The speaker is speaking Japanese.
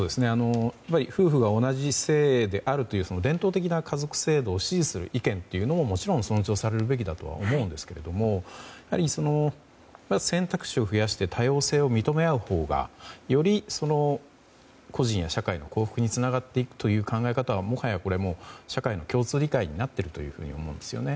夫婦が同じ姓であるという伝統的な家族制度を支持する意見ももちろん尊重されるべきだとは思うんですけども選択肢を増やして多様性を認め合うほうがより個人や社会の幸福につながっていくという考え方はもはや社会の共通理解になっていると思うんです。